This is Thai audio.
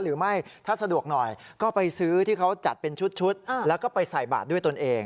หรือไม่ถ้าสะดวกหน่อยก็ไปซื้อที่เขาจัดเป็นชุดแล้วก็ไปใส่บาทด้วยตนเอง